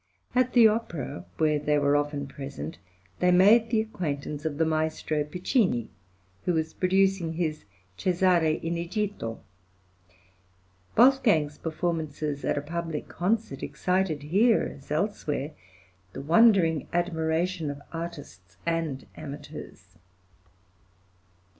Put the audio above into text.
At the opera, where they were often present, they made the acquaintance of the Maestro Piccinni, who was producing his "Cesare in Egitto." Wolfgang's performances at a public concert excited here as elsewhere the wondering admiration of artists and amateurs.